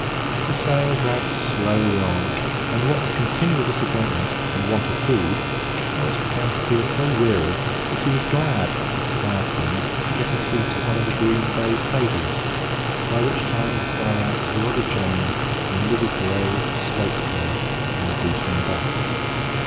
The sale dragged slowly on, and, what with continual disappointment and want of food, Horace began to feel so weary that he was glad, as the crowd thinned, to get a seat at one of the green baize tables, by which time the skylights had already changed from livid grey to slate colour in the deepening dusk.